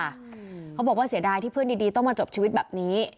เขาบอกว่าเสียดายที่เพื่อนดีต้องมาจบชีวิตแบบนี้